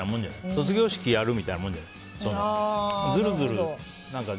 卒業式やるみたいなもんじゃない。